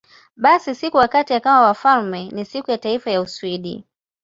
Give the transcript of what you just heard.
Basi, siku wakati akawa wafalme ni Siku ya Taifa ya Uswidi.